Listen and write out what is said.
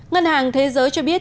ngân hàng thế giới cho biết